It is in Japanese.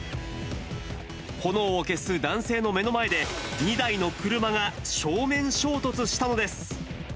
炎を消す男性の目の前で、２台の車が正面衝突したのです。